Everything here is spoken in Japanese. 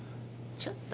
ちょっと。